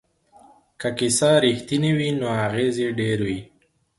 که کيسه رښتينې وي نو اغېز يې ډېر وي.